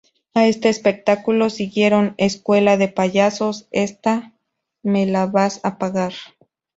A este espectáculo siguieron "Escuela de Payasos, ¡Esta me la vas a pagar…!